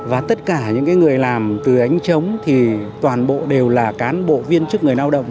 và tất cả những người làm từ ánh trống thì toàn bộ đều là cán bộ viên chức người lao động